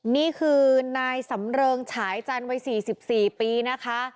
นี่คือนายสำเริงฉายจันทร์วัย๔๔ปีนะคะ